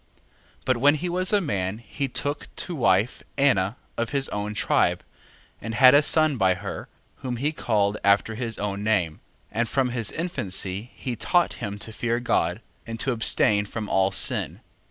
1:9. But when he was a man, he took to wife Anna of his own tribe, and had a son by her, whom he called after his own name, 1:10. And from his infancy he taught him to fear God, and to abstain from all sin.